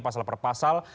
pasal per pasal